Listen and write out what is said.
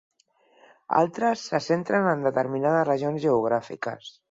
Altres se centren en determinades regions geogràfiques.